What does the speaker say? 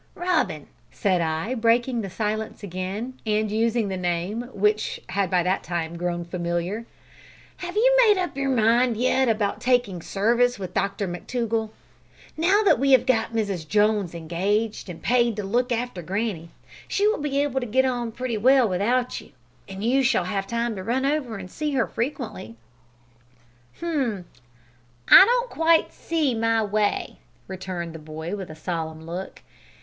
"Robin," said I, breaking silence again, and using the name which had by that time grown familiar, "have you made up your mind yet about taking service with Dr McTougall? Now that we have got Mrs Jones engaged and paid to look after granny, she will be able to get on pretty well without you, and you shall have time to run over and see her frequently." "H'm! I don't quite see my way," returned the boy, with a solemn look.